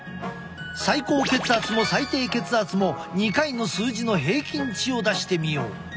最高血圧も最低血圧も２回の数字の平均値を出してみよう。